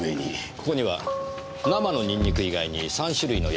ここには生のニンニク以外に３種類の薬味があります。